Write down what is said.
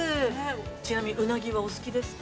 ちなみにうなぎはお好きですか。